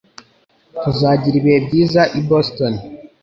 Tuzagira ibihe byiza i Boston.